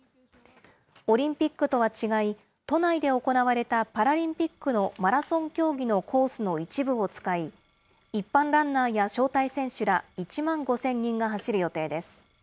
オリンピックとは違い、都内で行われたパラリンピックのマラソン競技のコースの一部を使い、一般ランナーや招待選手ら１万５０００人が走る予定です。